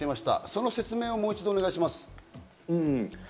その説明をもう一度お願いします。